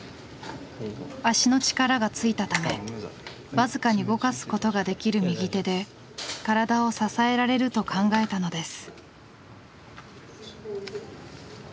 足の力がついたため僅かに動かすことができる右手で体を支えられると考えたのです。